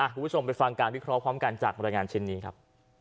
อ่าผู้พิสมไปฟังการพิเคราะห์ความกันจากบรรยาการเช่นนี้ครับ